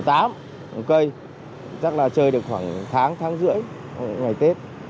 cây chắc là chơi được khoảng tháng tháng rưỡi ngày tết